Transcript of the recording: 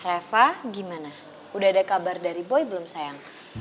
reva gimana udah ada kabar dari boy belum sayang